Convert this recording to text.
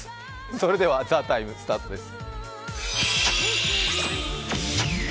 それでは「ＴＨＥＴＩＭＥ，」スタートです。